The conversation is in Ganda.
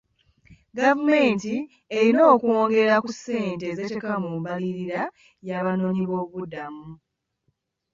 Gavumenti erina okwongera ku ssente z'eteeka ku mbaririra y'abanoonyiboobubudamu.